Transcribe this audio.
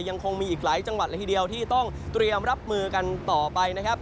ยังคงมีอีกหลายจังหวัดละทีเดียวที่ต้องเตรียมรับมือกันต่อไปนะครับ